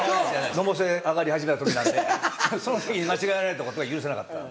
のぼせ上がり始めた時なんでその時に間違えられたことが許せなかった。